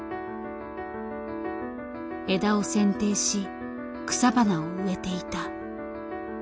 枝を剪定し草花を植えていた。